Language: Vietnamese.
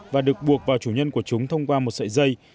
và được buộc vào chủ nhân của chúng thông qua một sợi dây